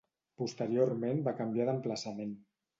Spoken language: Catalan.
Posteriorment va canviar d'emplaçament.